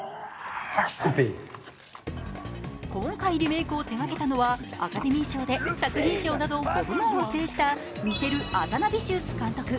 今回リメイクを手がけたのはアカデミー賞で作品賞など５部門を制したミシェル・アザナヴィシウス監督。